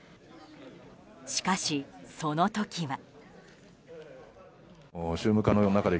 しかし、その時は。